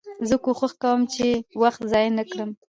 زه کوښښ کوم، چي وخت ضایع نه کړم.